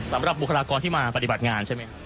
สำหรับบุคลากรที่มาปฏิบัติงานใช่ไหม